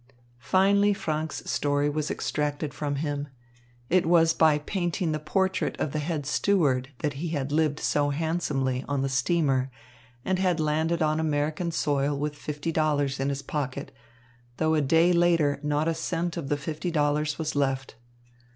Finally Franck's story was extracted from him. It was by painting the portrait of the head steward that he had lived so handsomely on the steamer and had landed on American soil with fifty dollars in his pocket, though a day later not a cent of the fifty dollars was left.